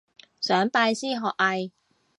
想拜師學藝